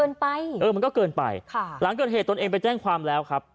ไปเออมันก็เกินไปค่ะหลังเกิดเหตุตนเองไปแจ้งความแล้วครับ